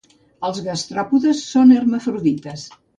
Els gastròpodes són hermafrodites.